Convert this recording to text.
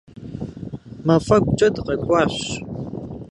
Мафӏэгукӏэ дыкъакӏуащ.